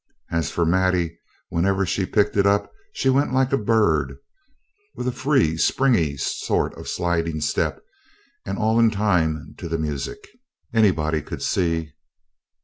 As for Maddie, wherever she picked it up she went like a bird, with a free, springy sort of sliding step, and all in time to the music, anybody could see.